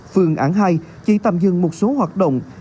phương án hai chỉ tạm dừng một số hoạt động